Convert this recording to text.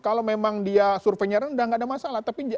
kalau memang dia surveinya rendah nggak ada masalah